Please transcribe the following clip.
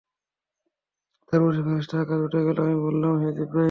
তারপর সে ফেরেশতা আকাশে উঠে গেলে আমি বললাম, হে জিবরাঈল।